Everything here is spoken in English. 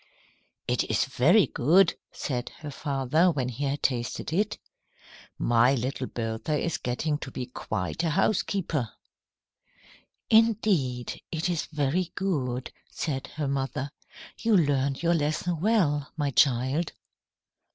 "It is very good," said her father when he had tasted it. "My little Bertha is getting to be quite a housekeeper." "Indeed, it is very good," said her mother. "You learned your lesson well, my child."